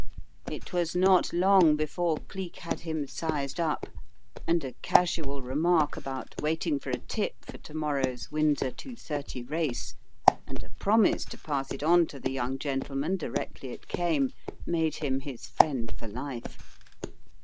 It was not long before Cleek had him sized up, and a casual re mark about waiting for a tip for to morrow's Wind sor 2 :30 race, and a promise to pass it on to the young gentleman directly it came, made him his friend for life.